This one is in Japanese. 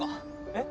えっ？